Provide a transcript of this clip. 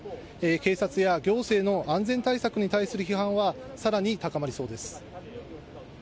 警察や行政の安全対策に対する批判はさらに高まりそうです。